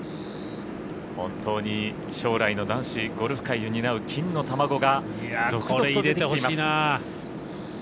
本当に将来の男子ゴルフ界を担う金の卵が続々と出てきています。